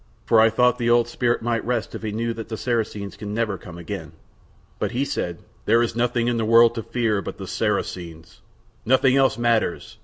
For I thought the old spirit might rest if he knew that the Saracens can never come again. But he said, "There is nothing in the world to fear but the Saracens. Nothing else matters.